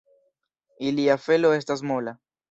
Ilia felo estas mola.